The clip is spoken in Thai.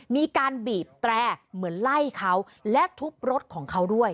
มีการบีบแตร่เหมือนไล่เขาและทุบรถของเขาด้วย